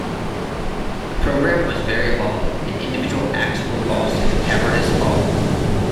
The program was very long, and individual acts were lost in the cavernous hall.